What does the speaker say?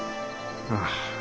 ああ。